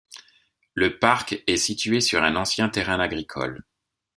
Le parc est situé sur un ancien terrain agricole.